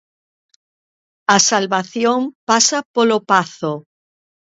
A salvación pasa polo Pazo.